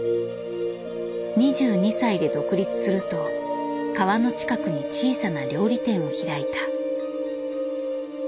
２２歳で独立すると川の近くに小さな料理店を開いた。